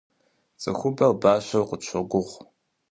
Цӏыхубэр бащэу къытщогугъ.